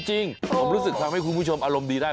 จริงผมรู้สึกทำให้คุณผู้ชมอารมณ์ดีได้